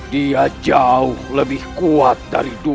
dia jauh lebih kuat dari dunia